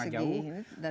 dan juga cukup rawat